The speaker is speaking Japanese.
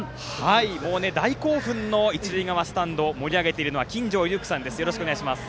大興奮の一塁側スタンド盛り上げているのはきんじょうゆうきさんです。